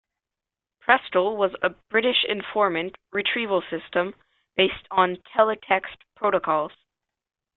Prestel was a British information-retrieval system based on teletext protocols.